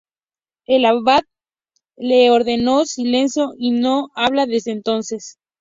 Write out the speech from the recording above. El Abad le ordenó silencio y no habla desde entonces.